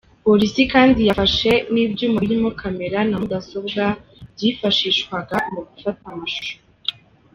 Polisi kandi yafashe n’ibyuma birimo camera na mudasobwa byifashishwaga mu gufata amashusho.